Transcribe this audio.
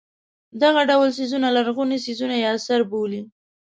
دغه ډول څیزونه لرغوني څیزونه یا اثار بولي.